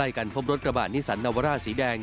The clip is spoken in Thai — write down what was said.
กันพบรถกระบะนิสันนาวาร่าสีแดง